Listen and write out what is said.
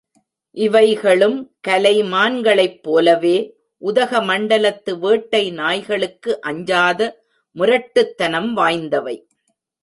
இவைகளும் கலை மான்களைப் போலவே, உதகமண்டலத்து வேட்டை நாய்களுக்கு அஞ்சாத முரட்டுத்தனம் வாய்ந்தவை.